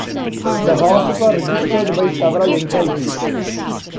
The horses are registered by several entities.